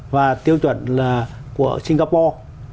và tiêu chuẩn là của singapore